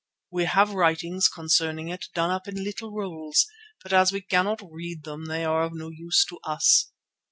We have writings concerning it done up in little rolls, but as we cannot read them they are of no use to us.